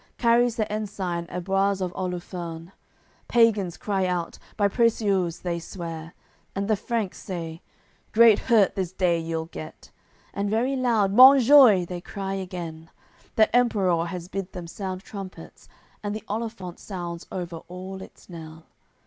Carries the ensign Amboires of Oluferne; Pagans cry out, by Preciuse they swear. And the Franks say: "Great hurt this day you'll get!" And very loud "Monjoie!" they cry again. That Emperour has bid them sound trumpets; And the olifant sounds over all its knell.